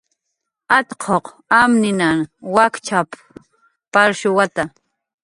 "Atquq amninhan wakchap"" palshuwata"